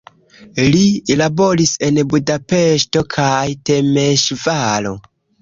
Li laboris en Budapeŝto kaj Temeŝvaro.